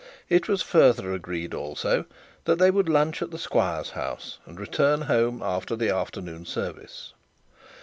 It was further agreed also, that they would lunch at the squire's house, and return home after the afternoon service.